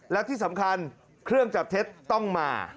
และที่สำคัญเครื่องจับเท็จต้องมา